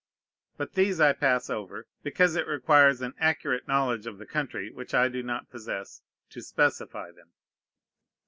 But these I pass over, because it requires an accurate knowledge of the country, which I do not possess, to specify them.